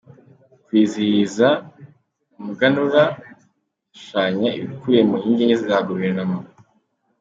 Kwizihiza Umuganura bishushanya ibikubiye mu nkingi enye za Guverinoma